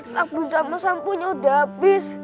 sabun sabu sampunya udah habis